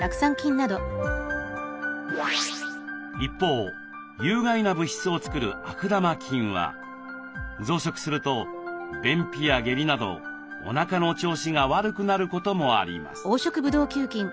一方有害な物質を作る悪玉菌は増殖すると便秘や下痢などおなかの調子が悪くなることもあります。